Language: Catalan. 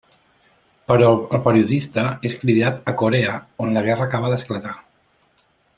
Però el periodista és cridat a Corea on la guerra acaba d'esclatar.